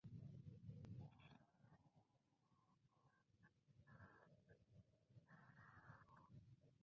Los juveniles son como las hembras de sus respectivas subespecies.